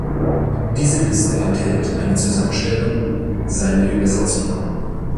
Diese Liste enthält eine Zusammenstellung seiner Übersetzungen.